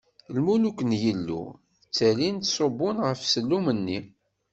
Lmuluk n Yillu ttalin ttṣubbun ɣef sellum-nni.